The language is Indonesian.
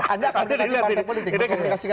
anda akan dikasi pantai politik